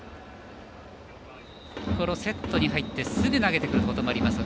セットに入ってすぐ投げてくることもあります。